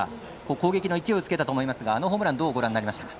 攻撃の勢いをつけたと思いますがあのホームランどうご覧になりましたか。